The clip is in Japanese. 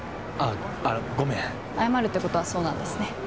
あっごめん謝るってことはそうなんですね